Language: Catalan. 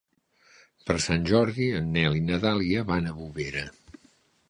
Per Sant Jordi en Nel i na Dàlia van a Bovera.